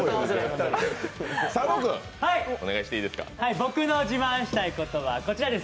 僕の自慢したいことはこちらです。